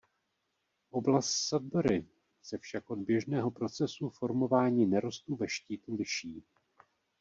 Oblast Sudbury se však od běžného procesu formování nerostů ve štítu liší.